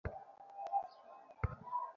সে কুকুরের সাথে খেলছে।